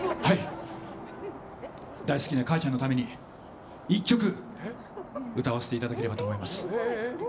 大好きな母ちゃんのために１曲歌わせていただこうと思います。